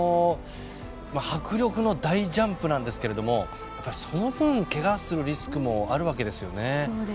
迫力の大ジャンプなんですけれどもその分、怪我するリスクもあるわけですよね。